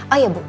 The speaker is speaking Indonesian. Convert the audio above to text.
oh ya bu